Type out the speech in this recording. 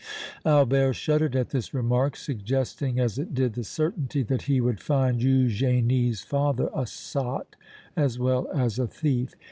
Albert shuddered at this remark, suggesting as it did the certainty that he would find Eugénie's father a sot as well as a thief.